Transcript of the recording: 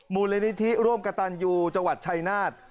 มูลนิธิร่วมกระตันยูจังหวัดชัยนาฏ